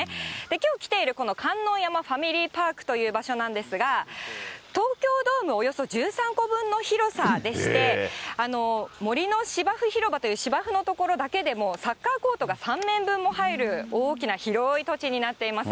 きょう来ているこの観音山ファミリーパークという場所なんですが、東京ドームおよそ１３個分の広さでして、森の芝生広場という芝生の所だけでも、サッカーコートが３面分も入る大きな広い土地になっています。